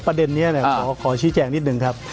ประเด็นนี้ขอชี้แจงนิดนึงครับ